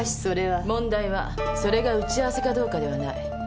問題はそれが打ち合わせかどうかではない。